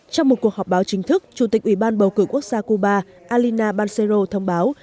trong một cuộc họp báo chính thức chủ tịch ủy ban bầu cử quốc gia cuba alina bansero thông báo